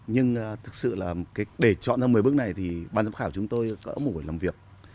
nhưng thực sự là để chọn ra một mươi bức này thì bàn giám khảo chúng tôi có một buổi làm việc